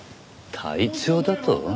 「隊長」だと？